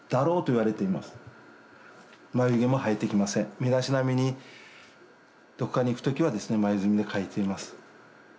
身だしなみにどこかに行く時はですね眉墨で描いています。